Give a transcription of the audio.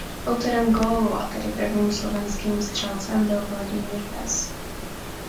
Autorem gólu a tedy prvním slovenským střelcem byl Vladimír Weiss.